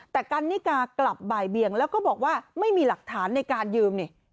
แต่กันนิกากลับบ่ายเบียงแล้วก็บอกว่าไม่มีหลักฐานในการยืมนี่